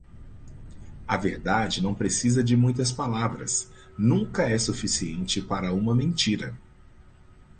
A verdade não precisa de muitas palavras, nunca é suficiente para uma mentira.